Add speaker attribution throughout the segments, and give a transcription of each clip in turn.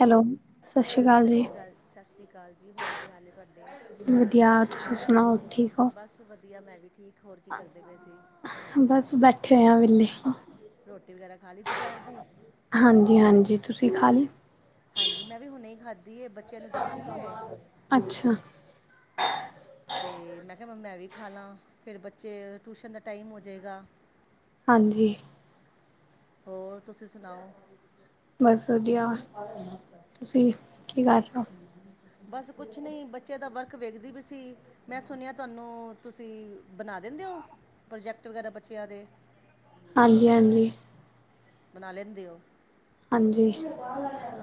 Speaker 1: Hello, ਸਤਿ ਸ੍ਰੀ ਅਕਾਲ ਜੀ।
Speaker 2: ਸਤਿ ਸ੍ਰੀ ਅਕਾਲ ਜੀ ਹੋਰ ਕੀ ਹਾਲ ਹੈ ਤੁਹਾਡੇ
Speaker 1: ਵਧੀਆ। ਤੁਸੀਂ ਸੁਣਾਓ? ਠੀਕ ਹੋ?
Speaker 2: ਬਸ ਵਧੀਆ ਮੈਂ ਵੀ ਠੀਕ, ਹੋਰ ਕੀ ਕਰਦੇ ਪਏ ਸੀ।
Speaker 1: ਬਸ ਬੈਠੇ ਹੋਏ ਆ ਵਿਹਲੇ
Speaker 2: ਰੋਟੀ ਵਗੈਰਾ ਖਾ ਲਈ ਦੁਪਹਿਰ ਦੀ
Speaker 1: ਹਾਂਜੀ- ਹਾਂਜੀ ਤੁਸੀਂ ਖਾ ਲਈ
Speaker 2: ਹਾਂਜੀ ਮੈਂ ਵੀ ਹੁਣੇ ਹੀ ਖਾਦੀ ਬੱਚਿਆਂ ਨੂੰ ਦਿੱਤੀ ਏ
Speaker 1: ਅੱਛਾ
Speaker 2: ਤੇ ਮੈਂ ਕਿਹਾ ਮੈ ਮੈਂ ਵੀ ਖਾ ਲਾਂ, ਫਿਰ ਬੱਚੇ ਟਿਊਸ਼ਨ ਦਾ ਟਾਈਮ ਹੋ ਜਾਵੇਗਾ
Speaker 1: ਹਾਂਜੀ
Speaker 2: ਹੋਰ ਤੁਸੀਂ ਸੁਣਾਓ
Speaker 1: ਬਸ ਵਧੀਆ, ਤੁਸੀਂ ਕੀ ਕਰ ਰਹੇ ਹੋ।
Speaker 2: ਬਸ ਕੁਛ ਨਹੀਂ, ਬੱਚੇ ਦਾ ਵਰਕ ਵੇਖਦੀ ਪਈ ਸੀ। ਮੈਂ ਸੁਣਿਆ ਤੁਹਾਨੂੰ, ਤੁਸੀਂ ਬਣਾ ਦਿੰਦੇ ਹੋ, ਪ੍ਰੋਜੈਕਟ ਵਗੈਰਾ ਬੱਚਿਆਂ ਦੇ
Speaker 1: ਹਾਂਜੀ, ਹਾਂਜੀ।
Speaker 2: ਬਣਾ ਲੈਂਦੇ ਹੋ।
Speaker 1: ਹਾਂਜੀ।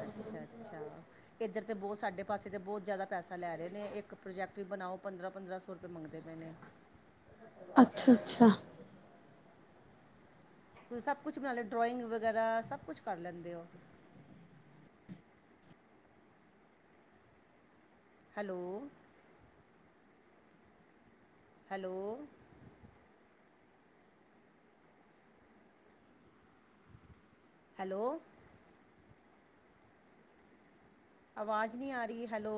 Speaker 2: ਅੱਛਾ- ਅੱਛਾ। ਇੱਧਰ ਤਾਂ ਬਹੁਤ ਸਾਡੇ ਪਾਸੇ ਤਾਂ ਬਹੁਤ ਜ਼ਿਆਦਾ ਪੈਸਾ ਲੈ ਰਹੇ ਨੇ ਇੱਕ ਪ੍ਰੋਜੈਕਟ ਵੀ ਬਣਾਓ ਪੰਦਰਾਂ, ਪੰਦਰਾਂ ਸੌ ਰੁਪਏ ਮੰਗਦੇ ਪਏ ਨੇ।
Speaker 1: ਅੱਛਾ-ਅੱਛਾ।
Speaker 2: ਤੁਸੀਂ ਸਭ ਕੁਛ ਬਣਾ ਲੈ ਡਰੋਇੰਗ ਵਗੈਰਾ ਸਭ ਕੁਛ ਕਰ ਲੈਂਦੇ ਹੋ। ਹੈਲੋ, ਹੈਲੋ, ਹੈਲੋ, ਆਵਾਜ਼ ਨਹੀਂ ਆ ਰਹੀ hello,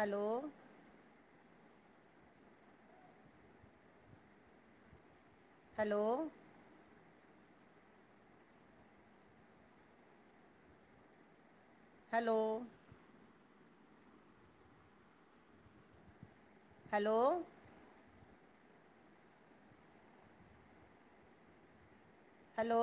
Speaker 2: hello, hello, hello, hello, hello,